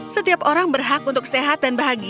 setiap orang berhak untuk sehat dan bahagia